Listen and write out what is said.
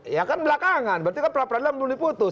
ya kan belakangan berarti kan pra peradilan belum diputus